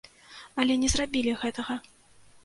Але не зрабілі гэтага.